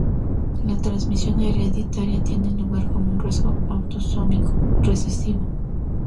La transmisión hereditaria tiene lugar como un rasgo autosómico recesivo.